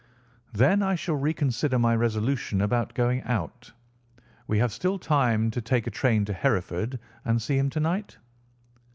"Then I shall reconsider my resolution about going out. We have still time to take a train to Hereford and see him to night?"